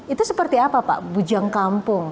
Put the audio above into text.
itu seperti apa pak bujang kampung